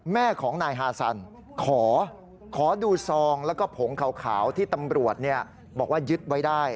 แม่ของนายฮาซันขอดูซองแล้วก็ผงขาวที่ตำรวจบอกว่ายึดไว้ได้